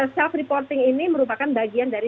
self reporting ini merupakan bagian dari